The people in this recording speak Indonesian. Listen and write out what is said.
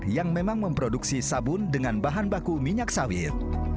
yang memang memproduksi sabun dengan bahan baku minyak sawit